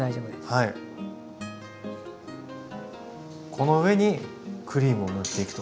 この上にクリームを塗っていくと。